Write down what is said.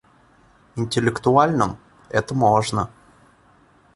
Интеллектуальном - это можно.